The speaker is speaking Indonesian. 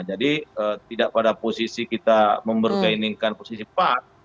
jadi tidak pada posisi kita memberkainingkan posisi pan